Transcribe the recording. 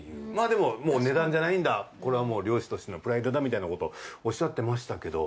泙でも「値段じゃないんだこれは漁師としてのプライドだ」弔澆燭い覆海おっしゃってましたけど